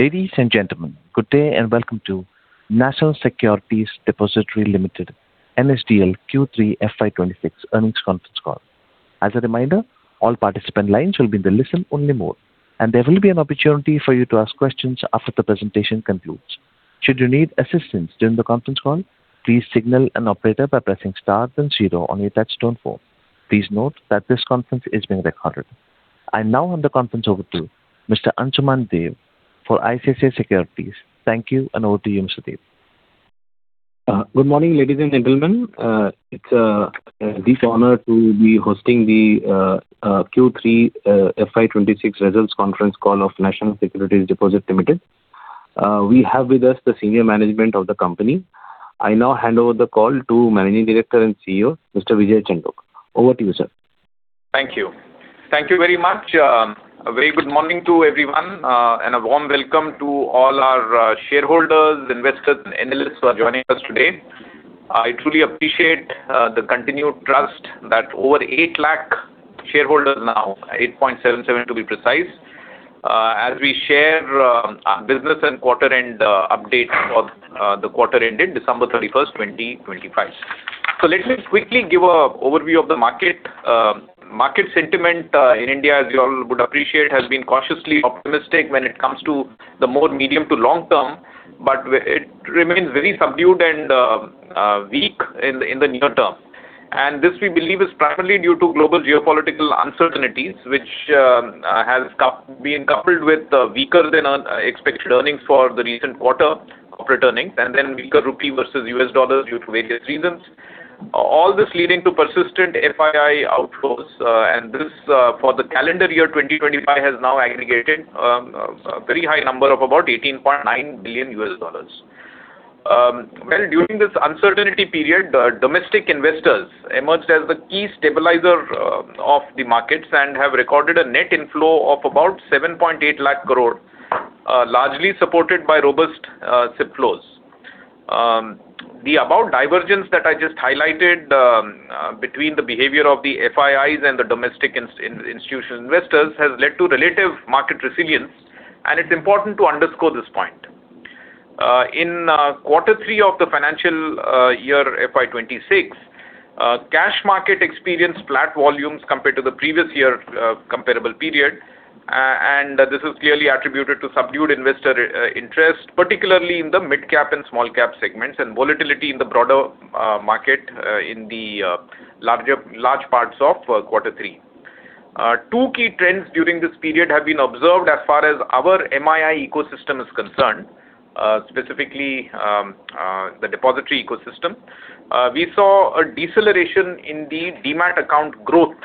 Ladies and gentlemen, good day, and welcome to National Securities Depository Limited, NSDL Q3 FY 2026 Earnings Conference Call. As a reminder, all participant lines will be in the listen-only mode, and there will be an opportunity for you to ask questions after the presentation concludes. Should you need assistance during the conference call, please signal an operator by pressing star then zero on your touchtone phone. Please note that this conference is being recorded. I now hand the conference over to Mr. Ansuman Deb for ICICI Securities. Thank you, and over to you, Mr. Deb. Good morning, ladies and gentlemen. It's a deep honor to be hosting the Q3 FY 2026 results conference call of National Securities Depository Limited. We have with us the senior management of the company. I now hand over the call to Managing Director and CEO, Mr. Vijay Chandok. Over to you, sir. Thank you. Thank you very much. A very good morning to everyone, and a warm welcome to all our shareholders, investors, and analysts who are joining us today. I truly appreciate the continued trust that over 800,000 shareholders now, 877,000 to be precise, as we share our business and quarter-end update for the quarter ending December 31, 2025. Let me quickly give an overview of the market. Market sentiment in India, as you all would appreciate, has been cautiously optimistic when it comes to the more medium- to long-term, but it remains very subdued and weak in the near term. This, we believe, is primarily due to global geopolitical uncertainties, which has been coupled with weaker than expected earnings for the recent quarter of reporting, and then weaker rupee versus U.S. dollar due to various reasons. All this leading to persistent FII outflows, and this, for the calendar year 2025, has now aggregated a very high number of about $18.9 billion. Well, during this uncertainty period, domestic investors emerged as the key stabilizer of the markets and have recorded a net inflow of about 780,000 crore, largely supported by robust SIP flows. The above divergence that I just highlighted between the behavior of the FIIs and the domestic institutional investors has led to relative market resilience, and it's important to underscore this point. In quarter three of the financial year FY 2026, cash market experienced flat volumes compared to the previous year comparable period. This is clearly attributed to subdued investor interest, particularly in the mid-cap and small-cap segments, and volatility in the broader market in the large parts of quarter three. Two key trends during this period have been observed as far as our MII ecosystem is concerned, specifically the depository ecosystem. We saw a deceleration in the demat account growth.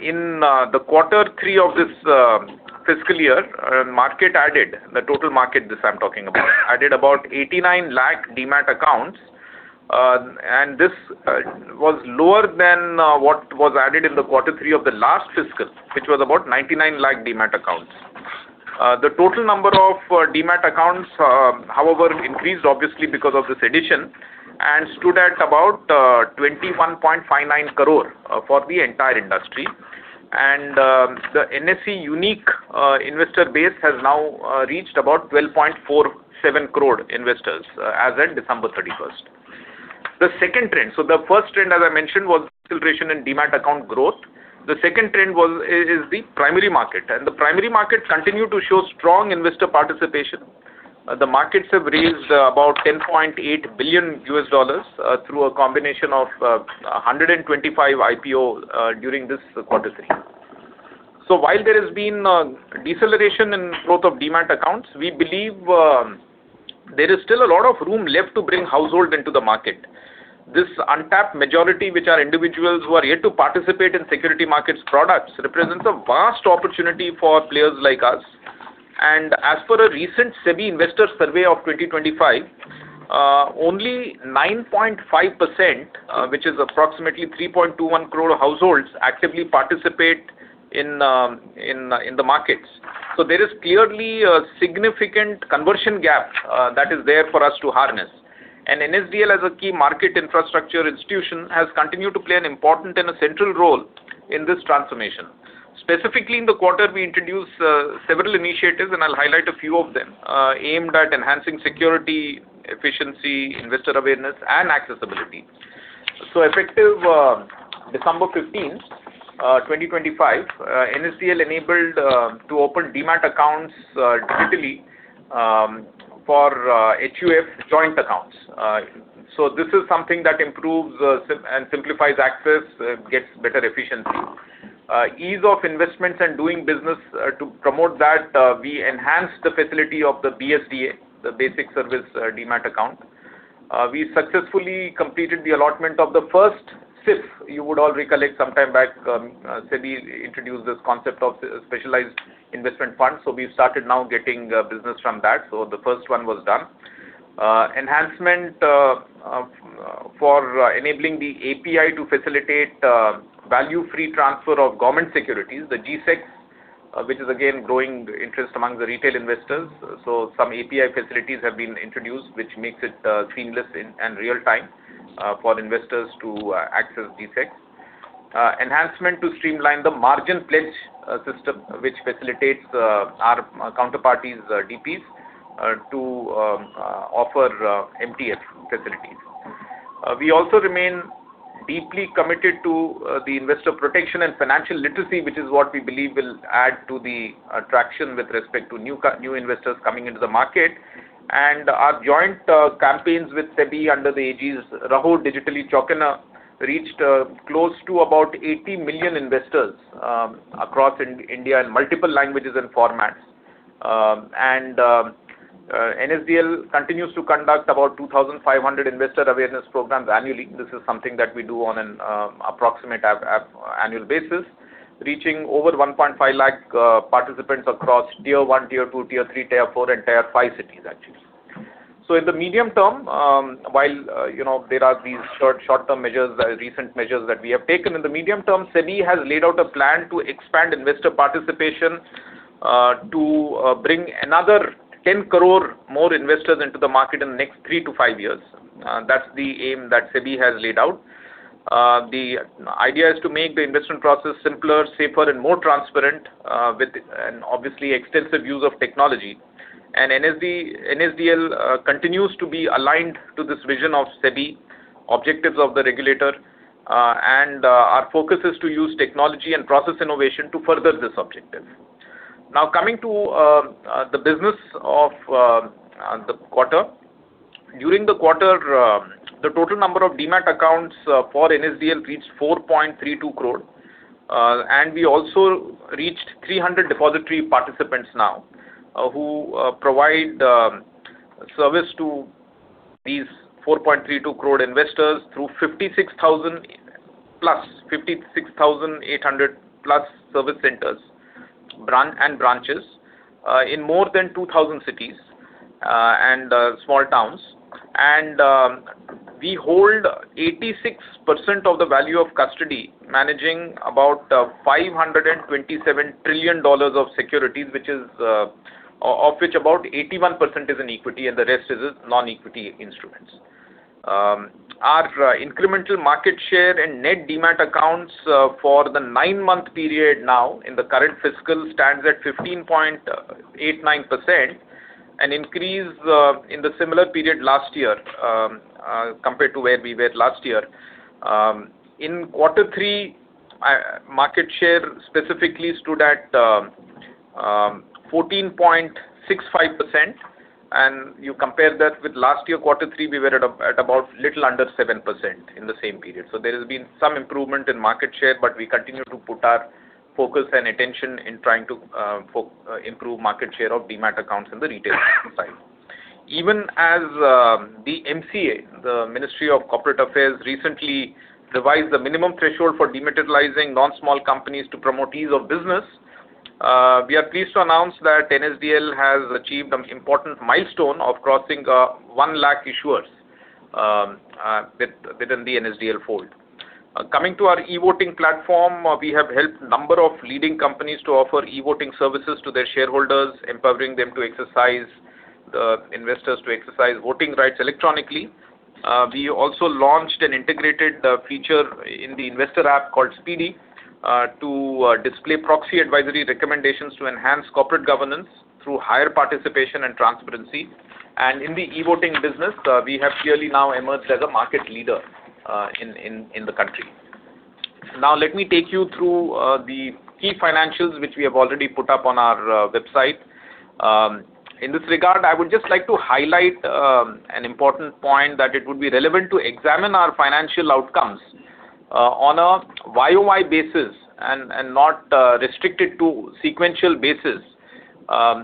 In the quarter three of this fiscal year, market added, the total market this I'm talking about, added about 89 lakh demat accounts. And this was lower than what was added in the quarter three of the last fiscal, which was about 99 lakh demat accounts. The total number of demat accounts, however, increased obviously because of this addition, and stood at about 21.59 crore for the entire industry. And the NSE unique investor base has now reached about 12.47 crore investors as at December 31st. The second trend. So the first trend, as I mentioned, was deceleration in demat account growth. The second trend was is the primary market, and the primary market continued to show strong investor participation. The markets have raised about $10.8 billion through a combination of 125 IPO during this quarter three. So while there has been deceleration in growth of demat accounts, we believe there is still a lot of room left to bring household into the market. This untapped majority, which are individuals who are yet to participate in security markets products, represents a vast opportunity for players like us. And as for a recent SEBI investor survey of 2025, only 9.5%, which is approximately 3.21 crore households, actively participate in the markets. So there is clearly a significant conversion gap that is there for us to harness. NSDL, as a key market infrastructure institution, has continued to play an important and a central role in this transformation. Specifically, in the quarter, we introduced several initiatives, and I'll highlight a few of them aimed at enhancing security, efficiency, investor awareness, and accessibility. Effective December 15, 2025, NSDL enabled to open demat accounts digitally for HUF joint accounts. So this is something that improves and simplifies access, gets better efficiency. Ease of investments and doing business, to promote that, we enhanced the facility of the BSDA, the Basic Service Demat Account. We successfully completed the allotment of the first SIF. You would all recollect sometime back, SEBI introduced this concept of Specialized Investment Funds. So we've started now getting business from that, so the first one was done. Enhancement for enabling the API to facilitate value-free transfer of government securities, the G-Sec, which is again growing interest among the retail investors. So some API facilities have been introduced, which makes it seamless and real time for investors to access G-Sec. Enhancement to streamline the margin pledge system, which facilitates our counterparties', DPs, to offer MTF facilities. We also remain deeply committed to the investor protection and financial literacy, which is what we believe will add to the attraction with respect to new investors coming into the market. Our joint campaigns with SEBI under the aegis, Raho Digitally Chaukanna, reached close to about 80 million investors across India, in multiple languages and formats. And NSDL continues to conduct about 2,500 investor awareness programs annually. This is something that we do on an approximate annual basis, reaching over 1.5 lakh participants across Tier 1, Tier 2, Tier 3, Tier 4, and Tier 5 cities, actually. So in the medium term, while you know there are these short-term measures, recent measures that we have taken, in the medium term, SEBI has laid out a plan to expand investor participation to bring another 10 crore more investors into the market in the next three to five years. That's the aim that SEBI has laid out. The idea is to make the investment process simpler, safer, and more transparent with and obviously extensive use of technology. NSDL continues to be aligned to this vision of SEBI, objectives of the regulator, and our focus is to use technology and process innovation to further this objective. Now, coming to the business of the quarter. During the quarter, the total number of demat accounts for NSDL reached 4.32 crore. And we also reached 300 depository participants now, who provide service to these 4.32 crore investors through 56,000+, 56,800+ service centers and branches in more than 2,000 cities and small towns. We hold 86% of the value of custody, managing about $527 trillion of securities, which is, of which about 81% is in equity and the rest is in non-equity instruments. Our incremental market share in net demat accounts for the nine-month period now in the current fiscal stands at 15.89%, an increase in the similar period last year compared to where we were last year. In quarter three, our market share specifically stood at 14.65%, and you compare that with last year, quarter three, we were at about a little under 7% in the same period. There has been some improvement in market share, but we continue to put our focus and attention in trying to improve market share of demat accounts in the retail side. Even as the MCA, the Ministry of Corporate Affairs, recently revised the minimum threshold for dematerializing non-small companies to promote ease of business, we are pleased to announce that NSDL has achieved an important milestone of crossing 1 lakh issuers within the NSDL fold. Coming to our e-voting platform, we have helped number of leading companies to offer e-voting services to their shareholders, empowering them to exercise, the investors to exercise voting rights electronically. We also launched an integrated feature in the investor app called SPEED-e to display proxy advisory recommendations to enhance corporate governance through higher participation and transparency. And in the e-voting business, we have clearly now emerged as a market leader in the country. Now, let me take you through the key financials, which we have already put up on our website. In this regard, I would just like to highlight an important point, that it would be relevant to examine our financial outcomes on a Y-o-Y basis and not restricted to sequential basis.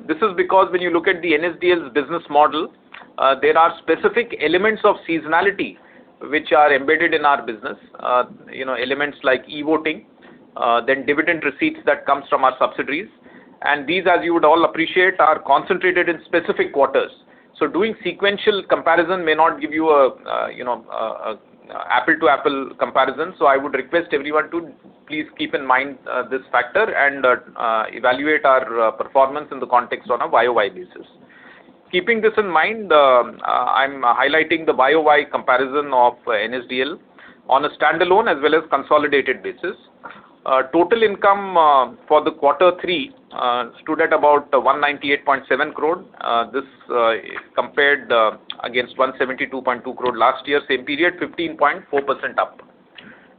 This is because when you look at the NSDL's business model, there are specific elements of seasonality which are embedded in our business. You know, elements like e-voting, then dividend receipts that comes from our subsidiaries. And these, as you would all appreciate, are concentrated in specific quarters. So doing sequential comparison may not give you a you know, apple-to-apple comparison. So I would request everyone to please keep in mind this factor and evaluate our performance in the context on a Y-o-Y basis. Keeping this in mind, I'm highlighting the Y-o-Y comparison of NSDL on a standalone as well as consolidated basis. Total income for quarter three stood at about 198.7 crore. This compared against 172.2 crore last year, same period, 15.4% up.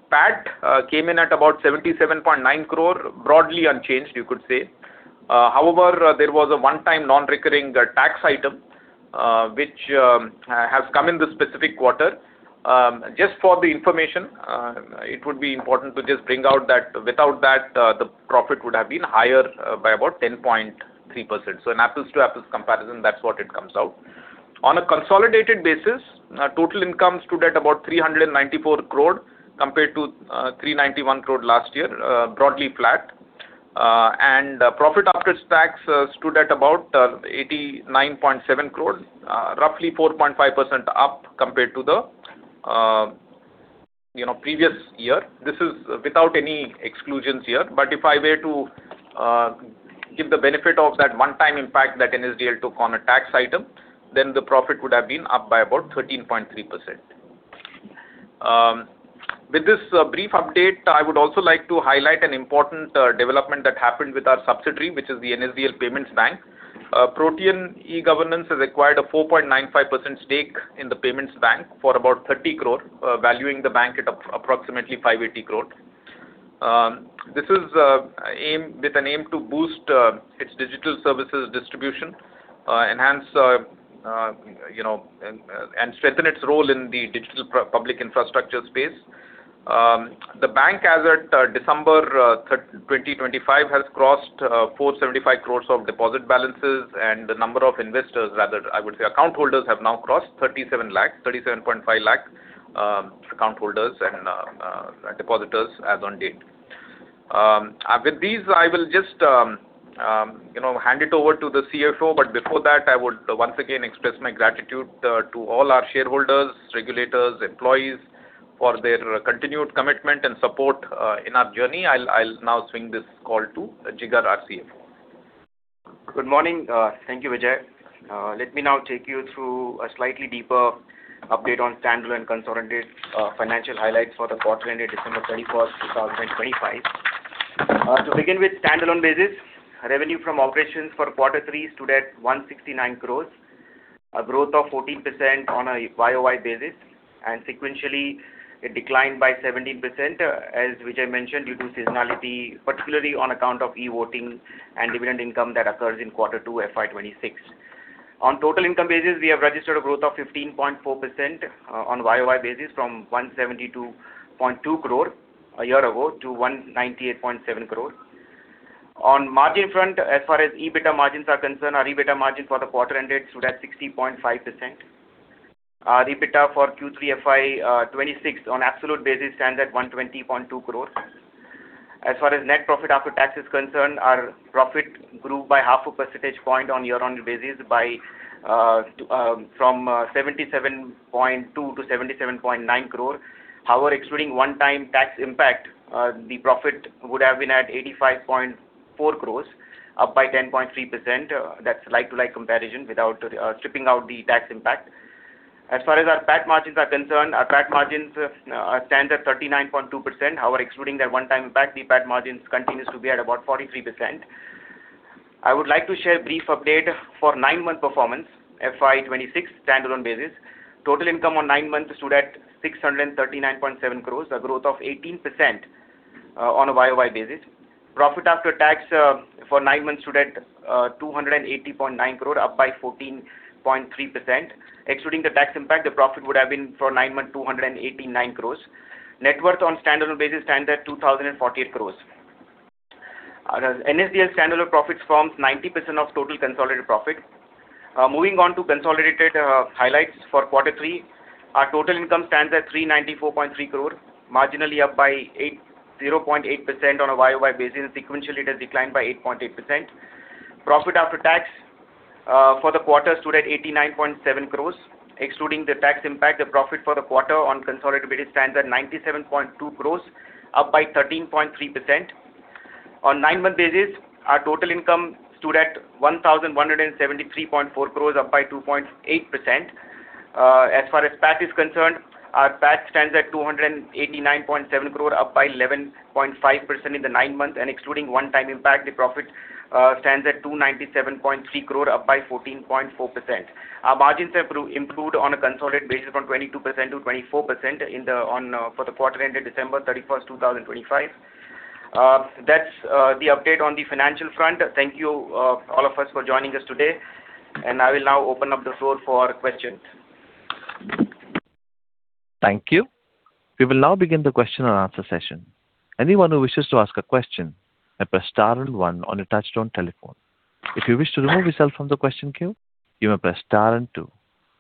PAT came in at about 77.9 crore, broadly unchanged, you could say. However, there was a one-time non-recurring tax item which has come in this specific quarter. Just for the information, it would be important to just bring out that without that, the profit would have been higher by about 10.3%. So an apples-to-apples comparison, that's what it comes out. On a consolidated basis, total income stood at about 394 crore, compared to 391 crore last year, broadly flat. And profit after tax stood at about 89.7 crore, roughly 4.5% up compared to the, you know, previous year. This is without any exclusions here. But if I were to give the benefit of that one-time impact that NSDL took on a tax item, then the profit would have been up by about 13.3%. With this brief update, I would also like to highlight an important development that happened with our subsidiary, which is the NSDL Payments Bank. Protean eGovernance has acquired a 4.95% stake in the payments bank for about 30 crore, valuing the bank at approximately 580 crore. This is with an aim to boost its digital services distribution, enhance, you know, and strengthen its role in the digital public infrastructure space. The bank, as at December 2025, has crossed 475 crore of deposit balances, and the number of investors, rather, I would say account holders, have now crossed 37 lakh, 37.5 lakh account holders and depositors as on date. With these, I will just, you know, hand it over to the CFO. But before that, I would once again express my gratitude to all our shareholders, regulators, employees, for their continued commitment and support in our journey. I'll now swing this call to Jigar, our CFO. Good morning. Thank you, Vijay. Let me now take you through a slightly deeper update on standalone consolidated financial highlights for the quarter ended December 31, 2025. To begin with standalone basis, revenue from operations for quarter three stood at 169 crore, a growth of 14% on a Y-o-Y basis, and sequentially it declined by 17%, as Vijay mentioned, due to seasonality, particularly on account of e-voting and dividend income that occurs in quarter two, FY 2026. On total income basis, we have registered a growth of 15.4% on Y-o-Y basis from 172.2 crore a year ago to 198.7 crore. On margin front, as far as EBITDA margins are concerned, our EBITDA margin for the quarter ended stood at 60.5%. The PAT for Q3 FY 2026 on absolute basis stands at 120.2 crore. As far as net profit after tax is concerned, our profit grew by half a percentage point on year-on-year basis from 77.2 crore to 77.9 crore. However, excluding one-time tax impact, the profit would have been at 85.4 crore, up by 10.3%. That's like-to-like comparison without stripping out the tax impact. As far as our PAT margins are concerned, our PAT margins stand at 39.2%. However, excluding that one-time impact, the PAT margins continues to be at about 43%. I would like to share a brief update for nine-month performance. FY 2026 standalone basis. Total income on nine months stood at 639.7 crore, a growth of 18%, on a Y-o-Y basis. Profit after tax for nine months stood at 280.9 crore, up by 14.3%. Excluding the tax impact, the profit would have been for nine-month, 289 crores. Net worth on standalone basis stands at 2,048 crores. NSDL standalone profits forms 90% of total consolidated profit. Moving on to consolidated highlights for quarter three, our total income stands at 394.3 crore, marginally up by 0.8% on a Y-o-Y basis. Sequentially, it has declined by 8.8%. Profit after tax for the quarter stood at 89.7 crores. Excluding the tax impact, the profit for the quarter on consolidated stands at 97.2 crore, up by 13.3%. On nine-month basis, our total income stood at 1,173.4 crore, up by 2.8%. As far as PAT is concerned, our PAT stands at 289.7 crore, up by 11.5% in the nine months, and excluding one-time impact, the profit stands at 297.3 crore, up by 14.4%. Our margins have improved on a consolidated basis from 22% to 24% on, for the quarter ended December 31, 2025. That's the update on the financial front. Thank you, all of us for joining us today, and I will now open up the floor for questions. Thank you. We will now begin the question and answer session. Anyone who wishes to ask a question may press star and one on your touchtone telephone. If you wish to remove yourself from the question queue, you may press star and two.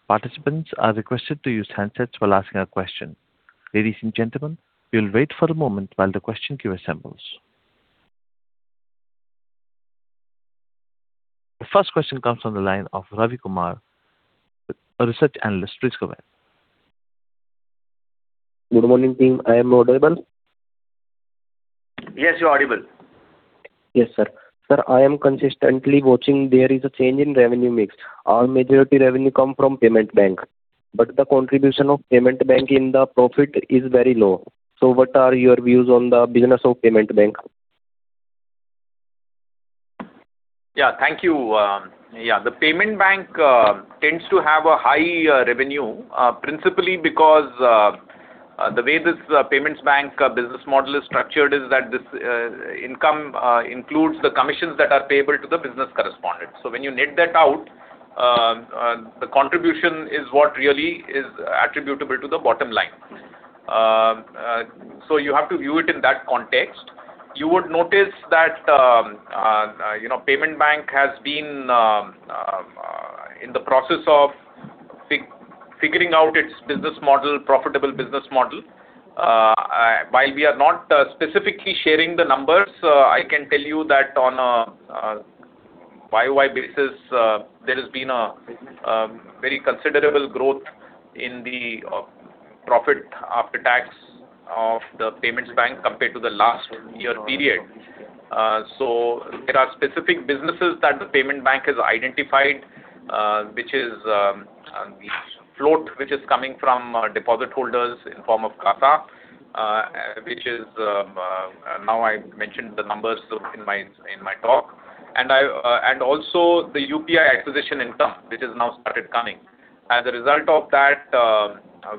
Participants are requested to use handsets while asking a question. Ladies and gentlemen, we will wait for a moment while the question queue assembles. The first question comes from the line of Ravi Kumar, a Research Analyst. Please go ahead. Good morning, team. I am audible? Yes, you're audible. Yes, sir. Sir, I am consistently watching there is a change in revenue mix. Our majority revenue come from payment bank, but the contribution of payment bank in the profit is very low. So what are your views on the business of payment bank? Yeah. Thank you. Yeah, the payment bank tends to have a high revenue, principally because the way this payments bank business model is structured is that this income includes the commissions that are payable to the business correspondent. So when you net that out, the contribution is what really is attributable to the bottom line. So you have to view it in that context. You would notice that, you know, payment bank has been in the process of figuring out its business model, profitable business model. While we are not specifically sharing the numbers, I can tell you that on a Y-o-Y basis, there has been a very considerable growth in the profit after tax of the payments bank compared to the last year period. So there are specific businesses that the payments bank has identified, which is float, which is coming from deposit holders in form of CASA, now I mentioned the numbers in my talk. And also the UPI acquisition income, which has now started coming. As a result of that,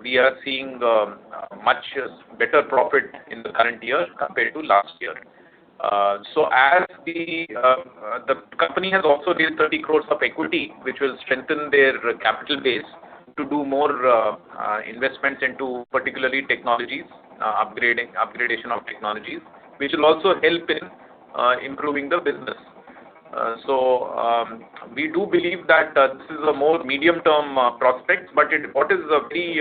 we are seeing much better profit in the current year compared to last year. So the company has also raised 30 crore of equity, which will strengthen their capital base to do more investments into particularly technologies, upgradation of technologies, which will also help in improving the business. So, we do believe that this is a more medium-term prospect, but what is very,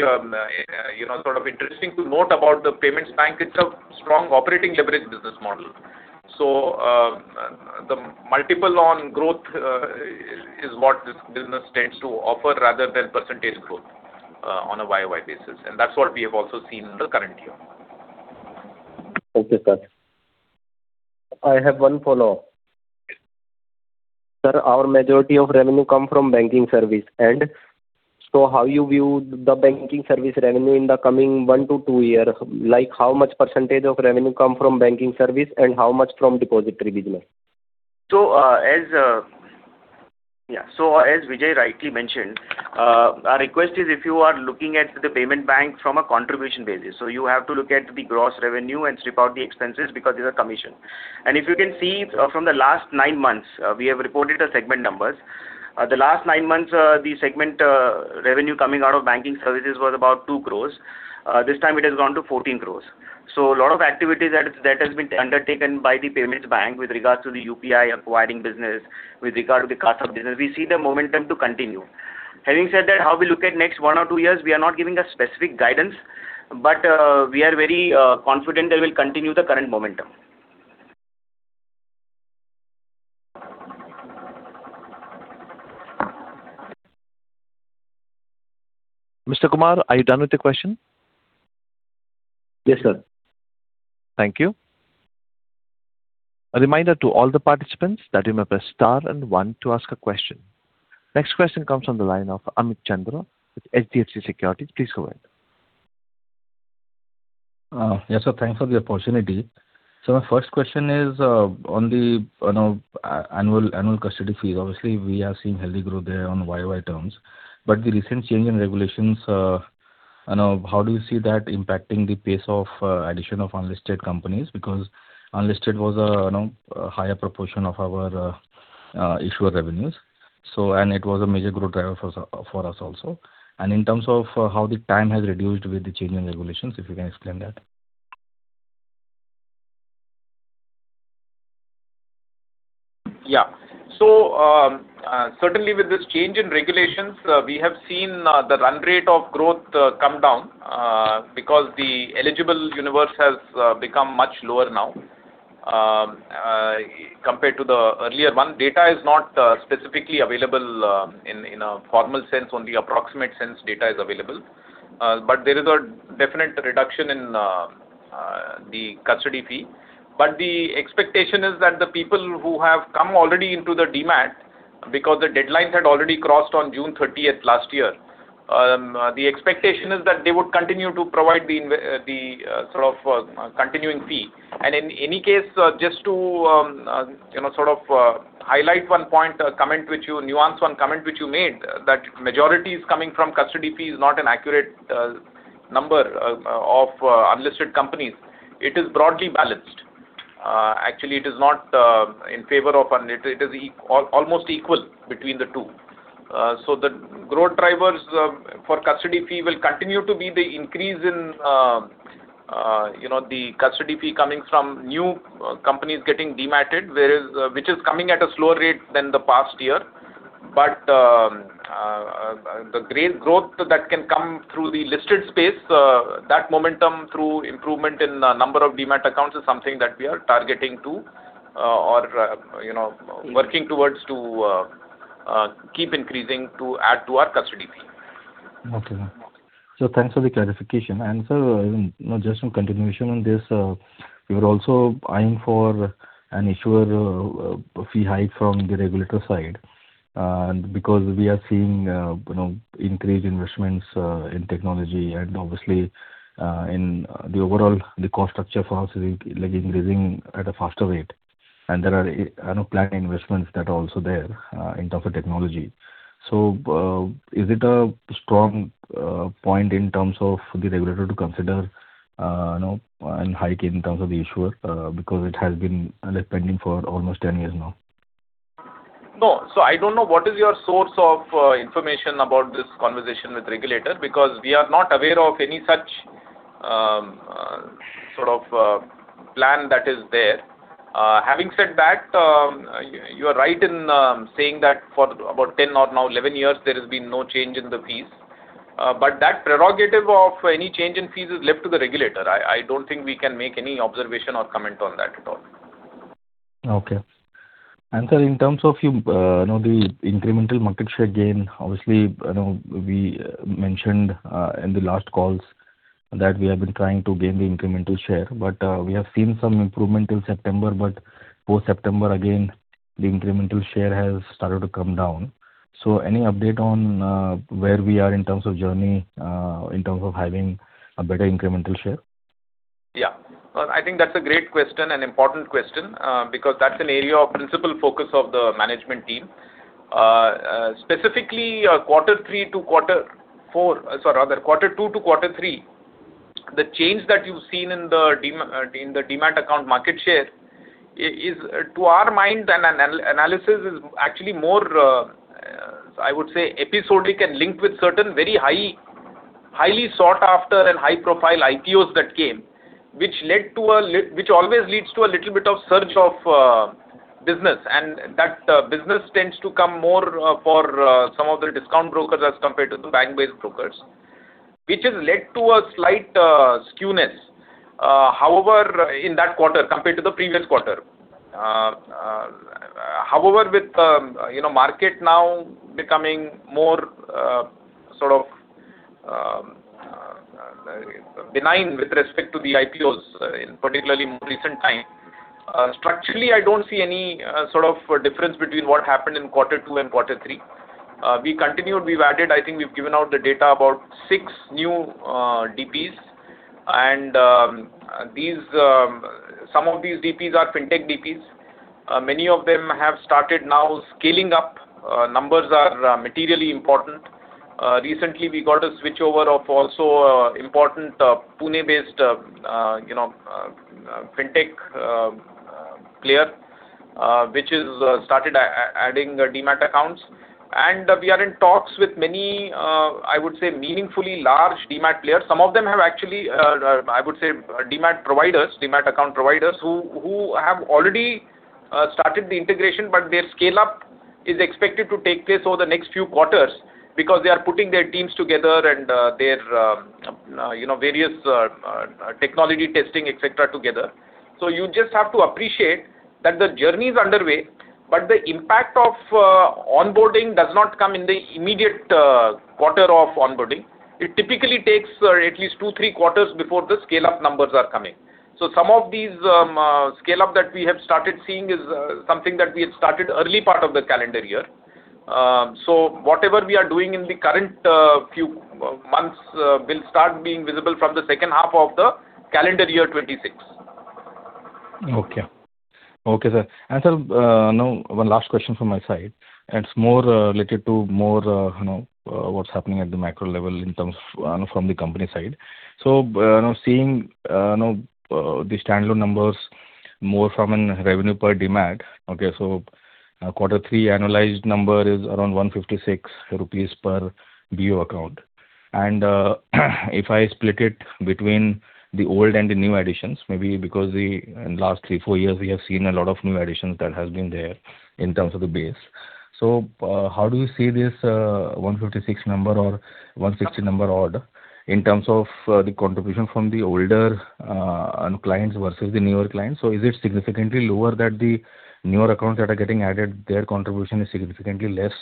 you know, sort of interesting to note about the payments bank, it's a strong operating leverage business model. So, the multiple on growth is what this business tends to offer, rather than percentage growth on a Y-o-Y basis, and that's what we have also seen in the current year. Okay, sir. I have one follow-up. Sir, our majority of revenue come from banking service. And so how you view the banking service revenue in the coming one to two year? Like, how much percentage of revenue come from banking service and how much from depository business? So, as Vijay rightly mentioned, our request is if you are looking at the payment bank from a contribution basis. So you have to look at the gross revenue and strip out the expenses because these are commission. And if you can see from the last nine months, we have reported the segment numbers. The last nine months, the segment revenue coming out of banking services was about 2 crore. This time it has gone to 14 crore. So a lot of activities that has been undertaken by the payments bank with regards to the UPI acquiring business, with regard to the CASA business, we see the momentum to continue. Having said that, how we look at next one or two years, we are not giving a specific guidance, but we are very confident that we'll continue the current momentum. Mr. Kumar, are you done with the question? Yes, sir. Thank you. A reminder to all the participants that you may press star and one to ask a question. Next question comes from the line of Amit Chandra with HDFC Securities. Please go ahead. Yes, sir. Thanks for the opportunity. So my first question is on the, you know, annual custody fees. Obviously, we are seeing healthy growth there on Y-o-Y terms, but the recent change in regulations, you know, how do you see that impacting the pace of addition of unlisted companies? Because unlisted was, you know, a higher proportion of our issuer revenues. So, and it was a major growth driver for us also. And in terms of how the time has reduced with the change in regulations, if you can explain that. Yeah. So, certainly with this change in regulations, we have seen the run rate of growth come down because the eligible universe has become much lower now compared to the earlier one. Data is not specifically available in a formal sense; only approximate sense data is available. But there is a definite reduction in the custody fee. But the expectation is that the people who have come already into the demat, because the deadline had already crossed on June 30th last year, the expectation is that they would continue to provide the sort of continuing fee. In any case, just to, you know, sort of, highlight one point, nuance one comment which you made, that majority is coming from custody fee is not an accurate number of unlisted companies. It is broadly balanced. Actually, it is not in favor of unlisted. It is almost equal between the two. So the growth drivers for custody fee will continue to be the increase in, you know, the custody fee coming from new companies getting dematted, whereas which is coming at a slower rate than the past year. The great growth that can come through the listed space, that momentum through improvement in number of demat accounts is something that we are targeting to, or, you know, working towards to keep increasing to add to our custody fee. Okay. So thanks for the clarification. And sir, you know, just in continuation on this, we were also eyeing for an issuer, fee hike from the regulator side, because we are seeing, you know, increased investments, in technology and obviously, in the overall the cost structure for us is, like, increasing at a faster rate. And there are, you know, planned investments that are also there, in terms of technology. So, is it a strong, point in terms of the regulator to consider, you know, and hike in terms of the issuer? Because it has been, pending for almost 10 years now. No. So I don't know what is your source of information about this conversation with regulator, because we are not aware of any such sort of plan that is there. Having said that, you are right in saying that for about 10 or now 11 years, there has been no change in the fees, but that prerogative of any change in fees is left to the regulator. I don't think we can make any observation or comment on that at all. Okay. And, sir, in terms of you, you know, the incremental market share gain, obviously, I know we mentioned, in the last calls that we have been trying to gain the incremental share, but, we have seen some improvement in September. But post-September, again, the incremental share has started to come down. So any update on, where we are in terms of journey, in terms of having a better incremental share? Yeah. Well, I think that's a great question and important question, because that's an area of principal focus of the management team. Specifically, quarter three to quarter four—sorry, rather, quarter two to quarter three, the change that you've seen in the demat account market share is, to our mind, and analysis is actually more, I would say, episodic and linked with certain very highly sought after and high-profile IPOs that came, which led to a little bit of surge of business. And that business tends to come more for some of the discount brokers as compared to the bank-based brokers, which has led to a slight skewness. However, in that quarter, compared to the previous quarter, however, with, you know, market now becoming more, sort of, benign with respect to the IPOs, in particularly recent time, structurally, I don't see any, sort of difference between what happened in quarter two and quarter three. We continued. We've added. I think we've given out the data about six new DPs. And, these, some of these DPs are fintech DPs. Many of them have started now scaling up. Numbers are materially important. Recently we got a switchover of also, important, Pune-based, you know, fintech, player, which is started adding demat accounts. And we are in talks with many, I would say, meaningfully large demat players. Some of them have actually, I would say, demat providers, demat account providers, who have already started the integration, but their scale-up is expected to take place over the next few quarters because they are putting their teams together and their you know, various technology testing, et cetera, together. So you just have to appreciate that the journey is underway, but the impact of onboarding does not come in the immediate quarter of onboarding. It typically takes at least two, three quarters before the scale-up numbers are coming. So some of these scale-up that we have started seeing is something that we had started early part of the calendar year. Whatever we are doing in the current few months will start being visible from the second half of the calendar year 2026. Okay, sir. And, sir, now, one last question from my side, and it's more related to more, you know, what's happening at the macro level in terms of from the company side. So, seeing, you know, the standalone numbers more from a revenue per demat. Okay, so quarter three annualized number is around 156 rupees per BO account. And, if I split it between the old and the new additions, maybe because we, in last three, four years, we have seen a lot of new additions that has been there in terms of the base. So, how do you see this, 156 number or 160 number order in terms of the contribution from the older clients versus the newer clients? So is it significantly lower than the newer accounts that are getting added, their contribution is significantly less,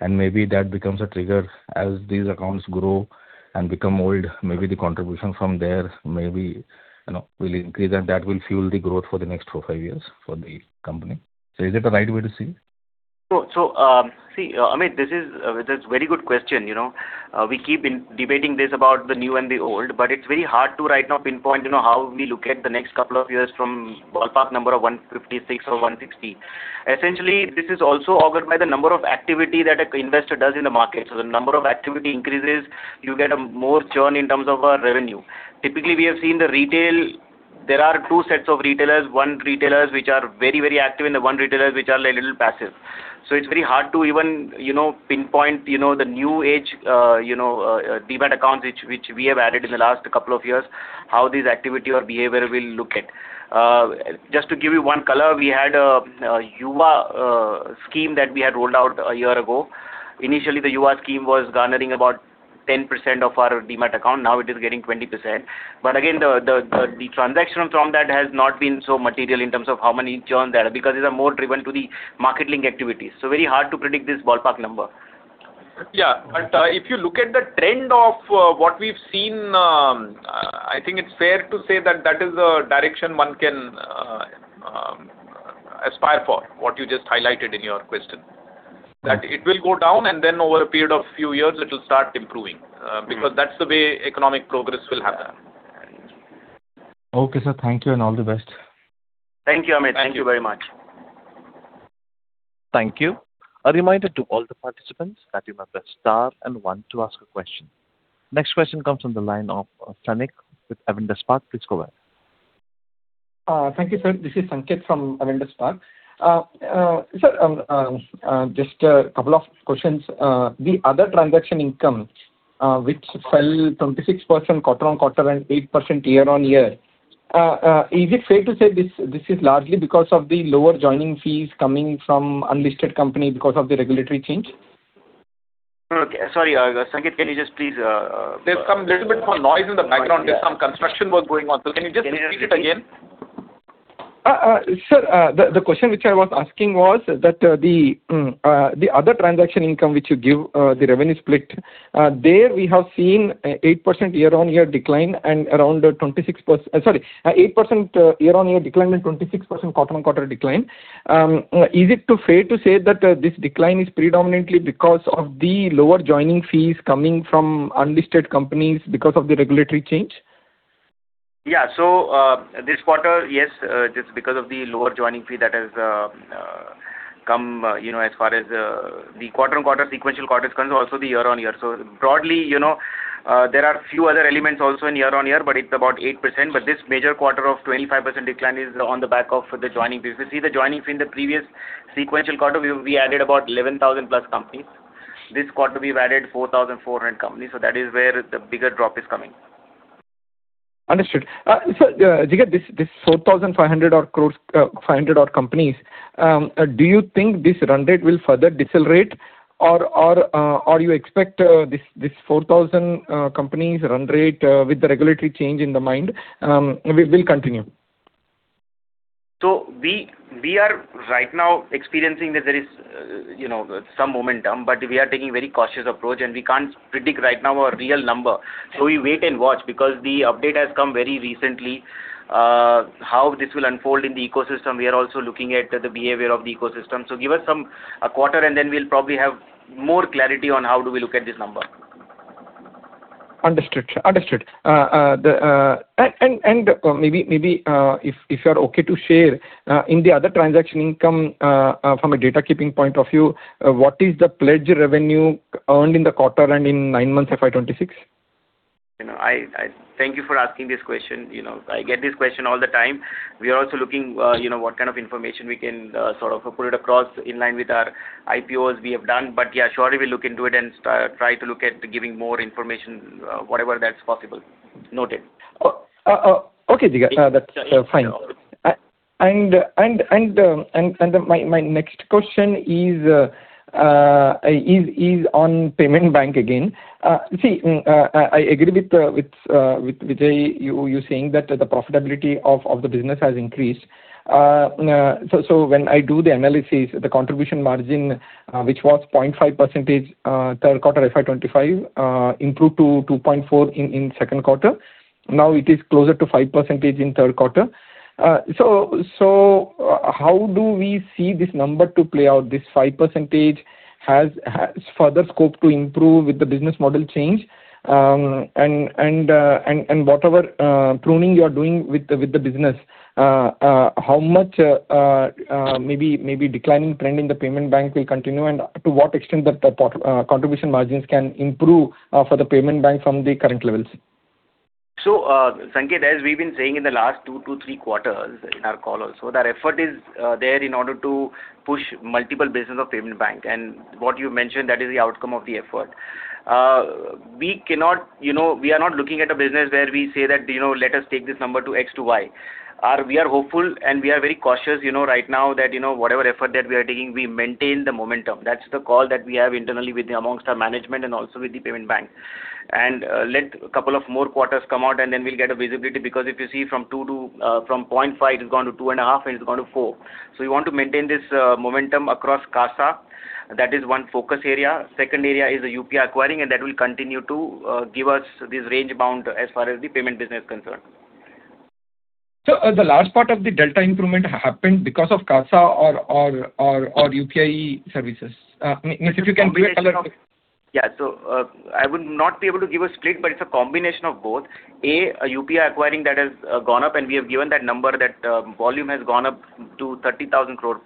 and maybe that becomes a trigger as these accounts grow and become old, maybe the contribution from there, maybe, you know, will increase, and that will fuel the growth for the next four-five years for the company. So is that the right way to see? So, Amit, this is, that's very good question, you know. We keep debating this about the new and the old, but it's very hard to right now pinpoint, you know, how we look at the next couple of years from ballpark number of 156 or 160. Essentially, this is also governed by the number of activity that an investor does in the market. So the number of activity increases, you get more churn in terms of, revenue. Typically, we have seen the retail. There are two sets of retailers, one retailers which are very, very active, and the one retailers which are a little passive. So it's very hard to even, you know, pinpoint, you know, the new age, you know, demat accounts, which we have added in the last couple of years, how this activity or behavior will look at. Just to give you one color, we had a YUva scheme that we had rolled out a year ago. Initially, the YUva scheme was garnering about 10% of our demat account. Now it is getting 20%. But again, the transactions from that has not been so material in terms of how many churn there are, because these are more driven to the marketing activities. So very hard to predict this ballpark number. Yeah, but if you look at the trend of what we've seen, I think it's fair to say that that is the direction one can aspire for, what you just highlighted in your question. That it will go down, and then over a period of few years, it will start improving, because that's the way economic progress will happen. Okay, sir. Thank you and all the best. Thank you, Amit. Thank you very much. Thank you. A reminder to all the participants that you must press star and one to ask a question. Next question comes from the line of Sanket with Avendus Spark. Please go ahead. Thank you, sir. This is Sanket from Avendus Spark. Sir, just a couple of questions. The other transaction income, which fell 26% quarter-on-quarter and 8% year-on-year. Is it fair to say this, this is largely because of the lower joining fees coming from unlisted company because of the regulatory change? No, okay. Sorry, Sanket, can you just please-- There's some little bit more noise in the background. There's some construction work going on, so can you just repeat it again? Sir, the question which I was asking was that, the other transaction income which you give, the revenue split, there we have seen, 8% year-on-year decline and around 26%. Sorry, 8% year-on-year decline and 26% quarter-on-quarter decline. Is it too fair to say that this decline is predominantly because of the lower joining fees coming from unlisted companies because of the regulatory change? Yeah. So, this quarter, yes, just because of the lower joining fee that has come, you know, as far as the quarter-on-quarter, sequential quarters concerned, also the year-on-year. So broadly, you know, there are a few other elements also in year-on-year, but it's about 8%. But this major quarter of 25% decline is on the back of the joining business. You see, the joining fee in the previous sequential quarter, we added about 11,000+ companies. This quarter, we've added 4,400 companies, so that is where the bigger drop is coming. Understood. Sir, Jigar, this 4,500-odd companies, do you think this run rate will further decelerate? Or you expect this 4,000 companies run rate, with the regulatory change in mind, will continue? So we are right now experiencing that there is, you know, some momentum, but we are taking very cautious approach, and we can't predict right now a real number. So we wait and watch, because the update has come very recently. How this will unfold in the ecosystem, we are also looking at the behavior of the ecosystem. So give us some, a quarter, and then we'll probably have more clarity on how do we look at this number. Understood. Maybe if you are okay to share, in the other transaction income, from a data keeping point of view, what is the pledge revenue earned in the quarter and in nine months FY 2026? You know, I thank you for asking this question. You know, I get this question all the time. We are also looking, you know, what kind of information we can sort of put it across in line with our IPOs we have done. But, yeah, surely we'll look into it and try to look at giving more information, whatever that's possible. Noted. Oh, okay, Jigar. That's fine. Sure. My next question is on payment bank again. I agree with Vijay you saying that the profitability of the business has increased. So when I do the analysis, the contribution margin, which was 0.5%, third quarter FY 2025, improved to 2.4% in second quarter. Now it is closer to 5% in third quarter. So how do we see this number to play out? This 5% has further scope to improve with the business model change? Whatever pruning you are doing with the business, maybe declining trend in the payments bank will continue, and to what extent that the contribution margins can improve for the payments bank from the current levels? So, Sanket, as we've been saying in the last two to three quarters in our call also, that effort is there in order to push multiple business of payment bank. And what you mentioned, that is the outcome of the effort. We cannot--you know, we are not looking at a business where we say that, you know, "Let us take this number to X to Y." We are hopeful, and we are very cautious, you know, right now that, you know, whatever effort that we are taking, we maintain the momentum. That's the call that we have internally with amongst our management and also with the payment bank. And, let a couple of more quarters come out, and then we'll get a visibility. Because if you see from 2% to, from 0.5%, it has gone to 2.5%, and it's gone to 4%. So we want to maintain this momentum across CASA. That is one focus area. Second area is the UPI acquiring, and that will continue to give us this range bound as far as the payment business is concerned. So, the large part of the delta improvement happened because of CASA or UPI services? Means if you can give a little- Yeah. So, I would not be able to give a split, but it's a combination of both. A, UPI acquiring that has gone up, and we have given that number, that volume has gone up to 30,000 crore+,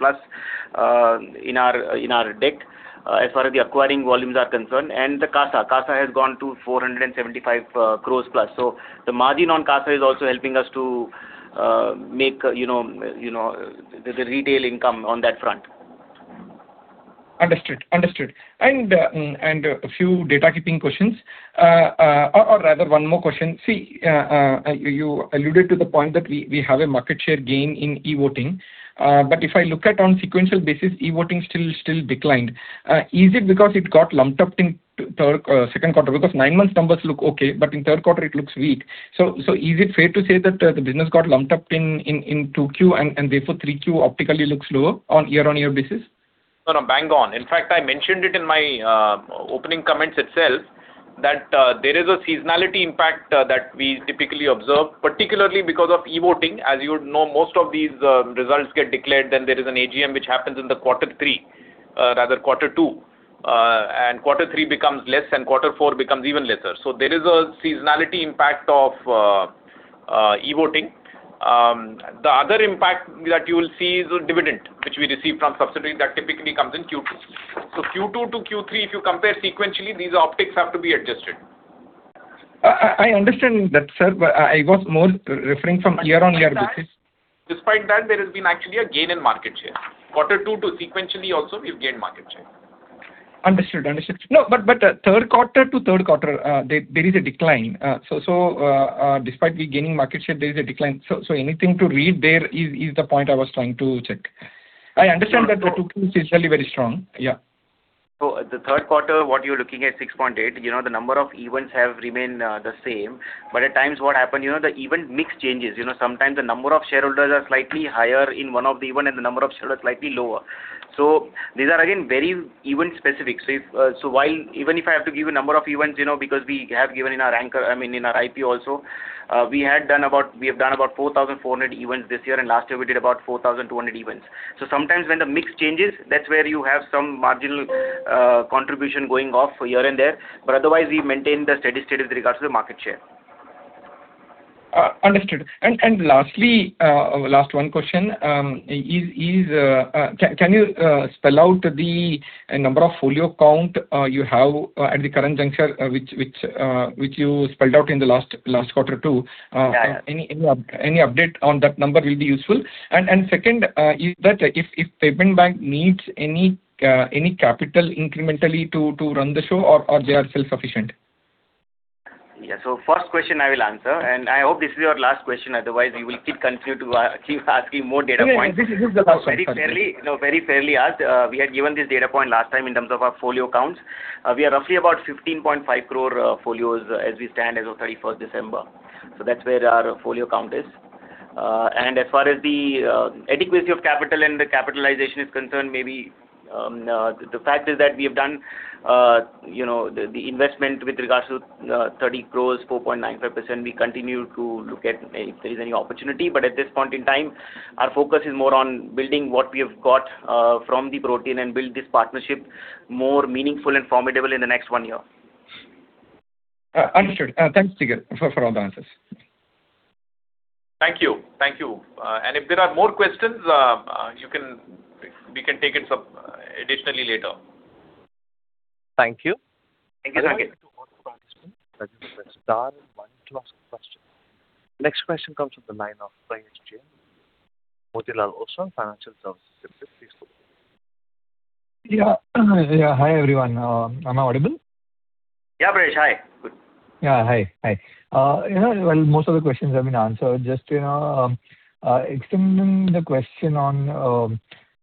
in our, in our deck, as far as the acquiring volumes are concerned. And the CASA. CASA has gone to 475 crore+. So the margin on CASA is also helping us to, make, you know, you know, the, the retail income on that front. Understood. And a few data keeping questions, or rather one more question. See, you alluded to the point that we have a market share gain in e-voting, but if I look at on sequential basis, e-voting still declined. Is it because it got lumped up in second quarter? Because nine months numbers look okay, but in third quarter it looks weak. So is it fair to say that the business got lumped up in 2Q and therefore 3Q optically looks lower on year-on-year basis? No, no, bang on. In fact, I mentioned it in my opening comments itself, that there is a seasonality impact that we typically observe, particularly because of e-voting. As you would know, most of these results get declared, then there is an AGM, which happens in the quarter three, rather quarter two, and quarter three becomes less, and quarter four becomes even lesser. So there is a seasonality impact of e-voting. The other impact that you will see is a dividend, which we receive from subsidiary that typically comes in Q2. So Q2 to Q3, if you compare sequentially, these optics have to be adjusted. I understand that, sir, but I was more referring from year-on-year basis. Despite that, there has been actually a gain in market share. Quarter two to sequentially also, we've gained market share. Understood, understood. No, but, third quarter to third quarter, there is a decline. So, despite we gaining market share, there is a decline. So, anything to read there is, is the point I was trying to check. I understand that the book is essentially very strong. Yeah. So the third quarter, what you're looking at, 6.8%, you know, the number of events have remained the same. But at times what happened, you know, the event mix changes. You know, sometimes the number of shareholders are slightly higher in one of the event, and the number of shareholders are slightly lower. So these are again, very event specific. So if-- so while-- even if I have to give a number of events, you know, because we have given in our anchor, I mean, in our IP also, we had done about-- we have done about 4,400 events this year, and last year we did about 4,200 events. So sometimes when the mix changes, that's where you have some marginal contribution going off here and there. But otherwise, we maintain the steady state with regards to the market share. Understood. And lastly, last one question, can you spell out the number of folio count you have at the current juncture, which you spelled out in the last quarter, too? Any update on that number will be useful. And second, is that if Payments Bank needs any capital incrementally to run the show or they are self-sufficient? Yeah. So first question I will answer, and I hope this is your last question, otherwise we will keep continue to, keep asking more data points. Yeah, yeah, this is the last one. So very fairly, no, very fairly asked. We had given this data point last time in terms of our folio counts. We are roughly about 15.5 crore folios as we stand as of 31st December. So that's where our folio count is. And as far as the adequacy of capital and the capitalization is concerned, maybe the fact is that we have done, you know, the investment with regards to 30 crore, 4.95%. We continue to look at if there is any opportunity, but at this point in time, our focus is more on building what we have got from the Protean and build this partnership more meaningful and formidable in the next one year. Understood. Thanks, Jigar, for all the answers. Thank you. Thank you. If there are more questions, you can, we can take it some, additionally later. Thank you. Thank you. Star one to ask a question. Next question comes from the line of Prayesh Jain, Motilal Oswal Financial Services. Please go ahead. Yeah. Hi, everyone. Am I audible? Yeah, Prayesh, hi. Good. Yeah. Hi, hi. You know, well, most of the questions have been answered. Just, you know, extending the question on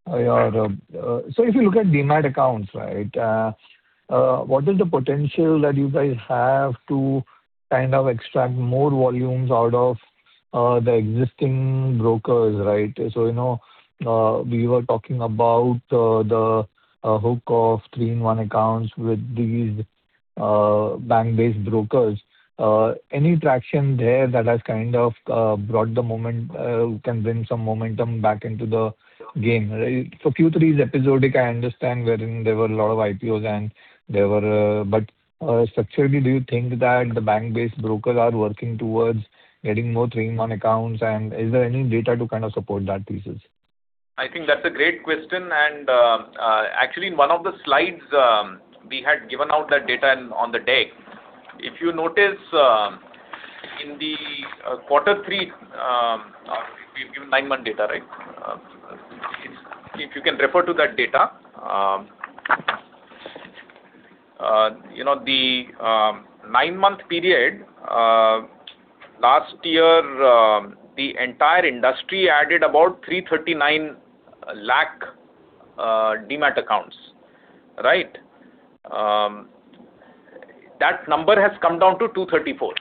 your--so if you look at demat accounts, right, what is the potential that you guys have to kind of extract more volumes out of the existing brokers, right? So, you know, we were talking about the hook of three-in-one accounts with these bank-based brokers. Any traction there that has kind of brought the moment, can bring some momentum back into the game, right? For Q3's episodic, I understand, wherein there were a lot of IPOs and there were. But structurally, do you think that the bank-based brokers are working towards getting more three-in-one accounts? And is there any data to kind of support that thesis? I think that's a great question, and actually, in one of the slides, we had given out that data on the day. If you notice, in the quarter three, we give nine-month data, right? If you can refer to that data, you know, the nine-month period, last year, the entire industry added about 339 lakh demat accounts, right? That number has come down to 234 lakh.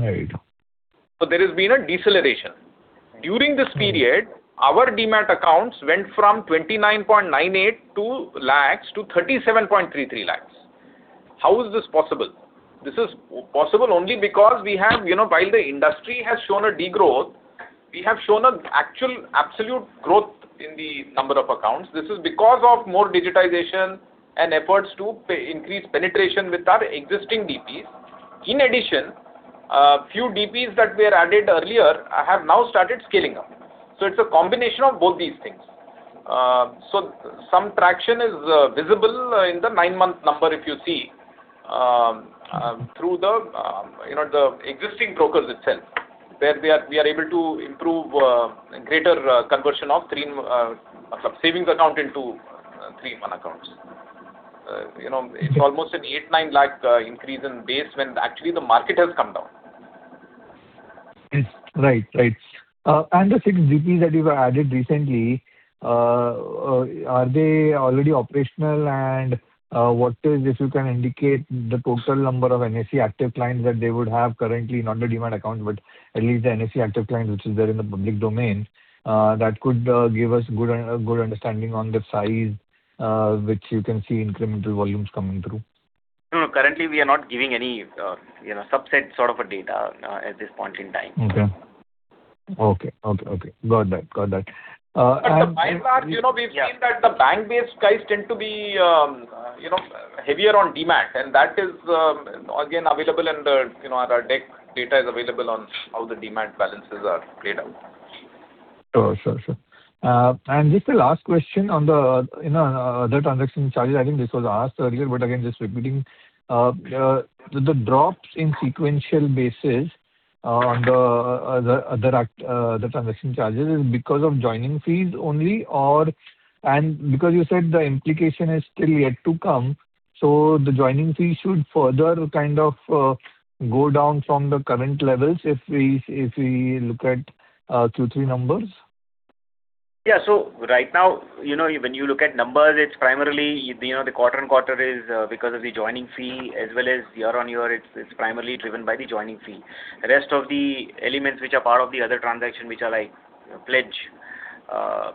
Very good. So there has been a deceleration. During this period, our demat accounts went from 29.982 lakhs to 37.33 lakhs. How is this possible? This is possible only because we have, you know, while the industry has shown a degrowth, we have shown an actual absolute growth in the number of accounts. This is because of more digitization and efforts to increase penetration with our existing DPs. In addition, few DPs that were added earlier have now started scaling up. So it's a combination of both these things. So some traction is visible in the nine-month number, if you see, through the, you know, the existing brokers itself, where we are, we are able to improve greater conversion of three, sorry, savings account into three-in-one accounts. You know, it's almost an 8.9 lakh increase in base when actually the market has come down. Yes. Right, right. And the six DPs that you've added recently, are they already operational? And, what is, if you can indicate the total number of NSE active clients that they would have currently, not the demat account, but at least the NSE active clients, which is there in the public domain, that could give us good, good understanding on the size, which you can see incremental volumes coming through. No, currently we are not giving any, you know, subset sort of a data, at this point in time. Okay. Got that, got that. By and large, you know, we've seen that the bank-based guys tend to be, you know, heavier on demat, and that is, again, available in the, you know, our deck data is available on how the demat balances are played out. Sure, sure. And just the last question on the, you know, the transaction charges, I think this was asked earlier, but again, just repeating. The drops in sequential basis on the other transaction charges is because of joining fees only, or - and because you said the implication is still yet to come, so the joining fee should further kind of go down from the current levels if we look at Q3 numbers? Yeah. So right now, you know, when you look at numbers, it's primarily, you know, the quarter-on-quarter is because of the joining fee as well as year-on-year, it's primarily driven by the joining fee. The rest of the elements which are part of the other transaction, which are like pledge,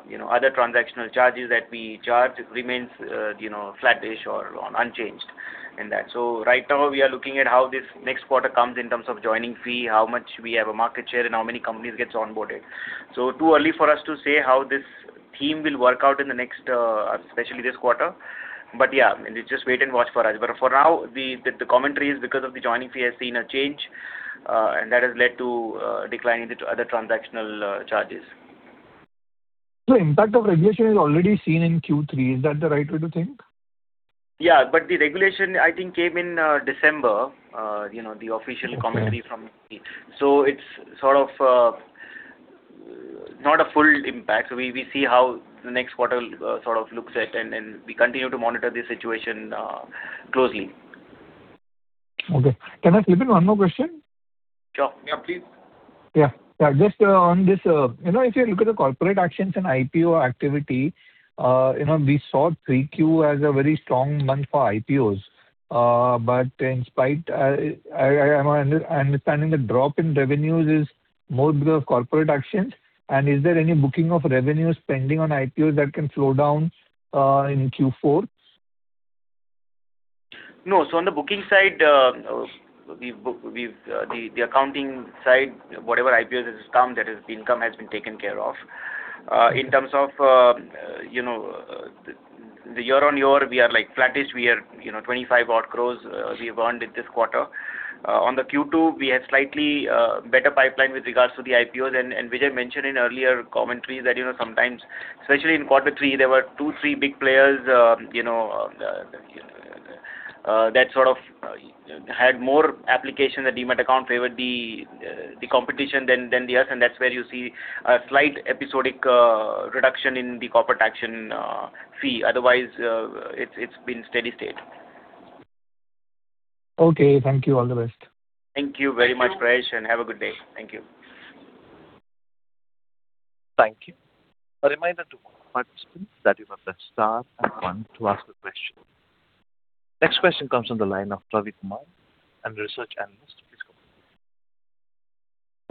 you know, other transactional charges that we charge, remains, you know, flat-ish or unchanged in that. So right now we are looking at how this next quarter comes in terms of joining fee, how much we have a market share, and how many companies gets onboarded. So too early for us to say how this theme will work out in the next, especially this quarter. But, yeah, it's just wait and watch for us. But for now, the commentary is because of the joining fee has seen a change, and that has led to decline in the other transactional charges. Impact of regulation is already seen in Q3. Is that the right way to think? Yeah, but the regulation, I think, came in, December, you know, the official commentary from it. So it's sort of not a full impact. We see how the next quarter sort of looks at, and then we continue to monitor the situation closely. Okay. Can I slip in one more question? Sure. Yeah, please. Yeah, just, on this, you know, if you look at the corporate actions and IPO activity, you know, we saw 3Q as a very strong month for IPOs. But in spite, I am understanding the drop in revenues is more because of corporate actions. And is there any booking of revenue spending on IPOs that can slow down, in Q4? No. So on the booking side, we've, the accounting side, whatever IPOs has come, that is the income has been taken care of. In terms of, you know, the year-on-year, we are like flat-ish. We are, you know, 25 odd crores, we earned in this quarter. On the Q2, we had slightly better pipeline with regards to the IPOs. And Vijay mentioned in earlier commentary that, you know, sometimes, especially in quarter three, there were two, three big players, you know, that sort of had more application, the demat account favored the competition than us, and that's where you see a slight episodic reduction in the corporate action fee. Otherwise, it's been steady state. Okay. Thank you. All the best. Thank you very much, Prayesh, and have a good day. Thank you. Thank you. A reminder to participants that you must press star and one to ask a question. Next question comes on the line of Ravi Kumar and Research Analyst. Please go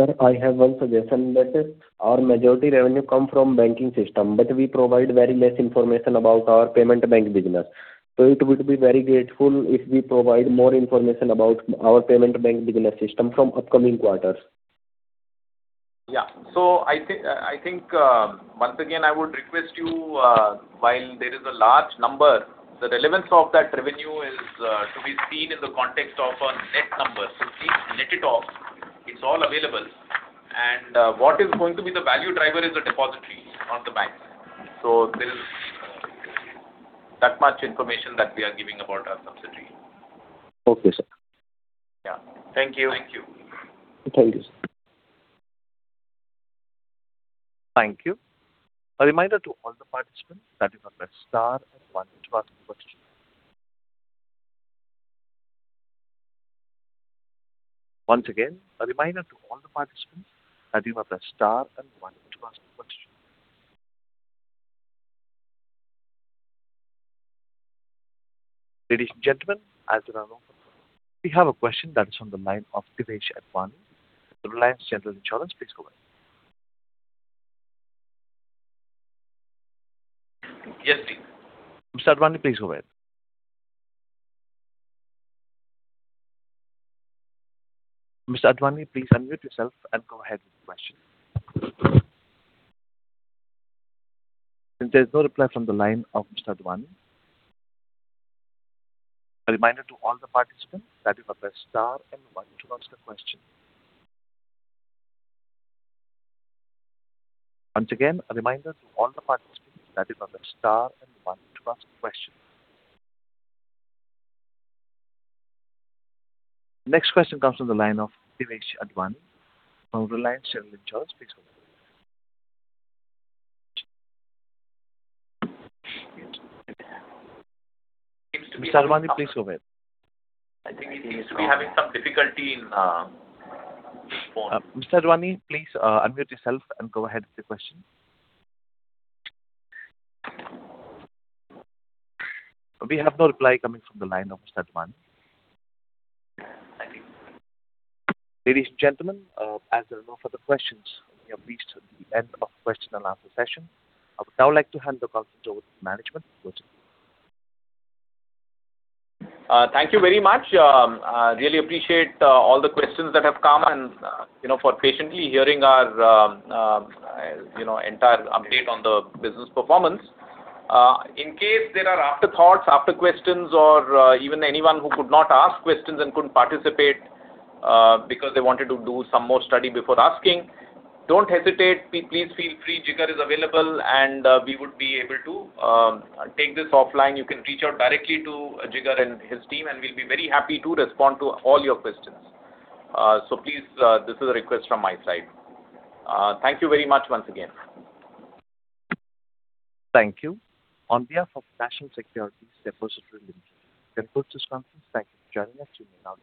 ahead. Sir, I have one suggestion, that is, our majority revenue come from banking system, but we provide very less information about our payment bank business. So it would be very grateful if we provide more information about our payment bank business system from upcoming quarters. Yeah. So I think, once again, I would request you, while there is a large number, the relevance of that revenue is, to be seen in the context of our net number. So please net it off. It's all available. And, what is going to be the value driver is the depository, not the bank. So there is, that much information that we are giving about our subsidiary. Okay, sir. Yeah. Thank you. Thank you. Thank you. A reminder to all the participants that you must press star and one to ask a question. Once again, a reminder to all the participants that you must press star and one to ask a question. Ladies and gentlemen, as there are no--we have a question that is on the line of Devesh Advani, Reliance General Insurance. Please go ahead. Yes, please. Mr. Advani, please go ahead. Mr. Advani, please unmute yourself and go ahead with the question. Since there's no reply from the line of Mr. Advani, a reminder to all the participants that you must press star and one to ask a question. Once again, a reminder to all the participants that you must press star and one to ask a question. Next question comes from the line of Devesh Advani from Reliance General Insurance. Please go ahead. Mr. Advani, please go ahead. I think he seems to be having some difficulty in his phone. Mr. Advani, please, unmute yourself and go ahead with your question. We have no reply coming from the line of Mr. Advani. I think. Ladies and gentlemen, as there are no further questions, we have reached the end of question and answer session. I would now like to hand over to management. Go ahead. Thank you very much. I really appreciate all the questions that have come and, you know, for patiently hearing our, you know, entire update on the business performance. In case there are afterthoughts, after questions, or, even anyone who could not ask questions and couldn't participate, because they wanted to do some more study before asking, don't hesitate. Please feel free. Jigar is available, and we would be able to take this offline. You can reach out directly to Jigar and his team, and we'll be very happy to respond to all your questions. So please, this is a request from my side. Thank you very much once again. Thank you. On behalf of National Securities Depository Limited, thank you for joining us. You may now disconnect.